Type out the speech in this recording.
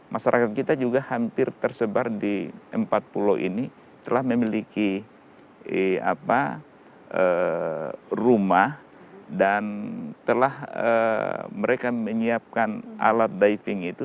masyarakat kita juga hampir tersebar di empat pulau ini telah memiliki rumah dan telah mereka menyiapkan alat diving itu